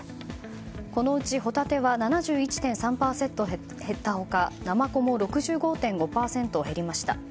このうち、ホタテは７１．３％減った他ナマコも６５．５％減りました。